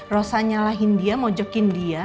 rosa nyalahin dia mojokin dia